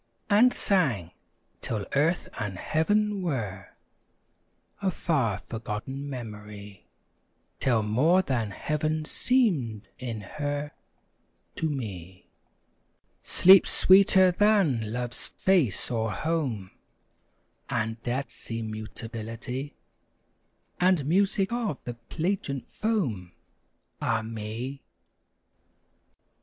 And sang; till Earth and Heaven were A far, forgotten memory; Till more than Heaven seemed in her To me: Sleep, sweeter than love's face or home, And death's immutability, And music of the plangent foam, Ah me!